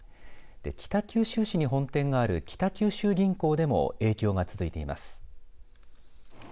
北九州市に本店がある北九州銀行でも影響が続いています。